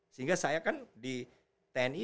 sehingga saya kan di tni